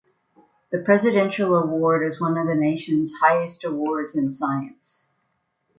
The Presidential Award is one of the nation's highest awards in science.